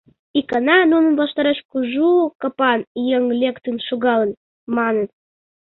Икана нунын ваштареш кужу-у капан еҥ лектын шогалын, маныт.